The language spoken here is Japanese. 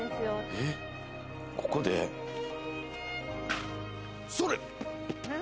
えっ、ここで、それっ！